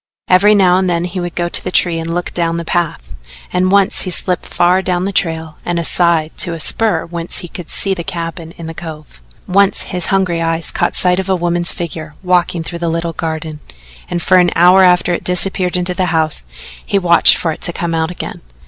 Every now and then he would go to the tree and look down the path, and once he slipped far down the trail and aside to a spur whence he could see the cabin in the cove. Once his hungry eyes caught sight of a woman's figure walking through the little garden, and for an hour after it disappeared into the house he watched for it to come out again.